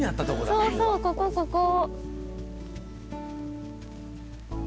そうそうここここ！